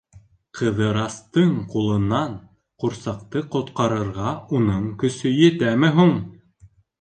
Ҡыҙырастың ҡулынан ҡурсаҡты ҡотҡарырға уның көсө етәме һуң?